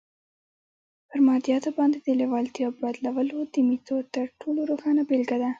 پر مادياتو باندې د لېوالتیا بدلولو د ميتود تر ټولو روښانه بېلګه ده.